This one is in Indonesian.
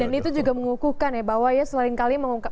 dan itu juga mengukuhkan ya bahwa ya selain kali mengungkap